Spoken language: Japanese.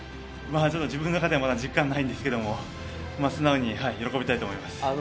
自分の中ではまだ実感がないですけど、素直に喜びたいと思います。